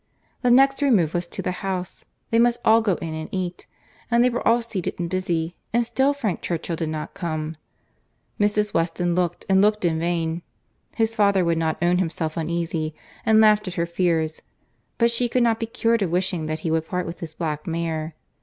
The next remove was to the house; they must all go in and eat;—and they were all seated and busy, and still Frank Churchill did not come. Mrs. Weston looked, and looked in vain. His father would not own himself uneasy, and laughed at her fears; but she could not be cured of wishing that he would part with his black mare.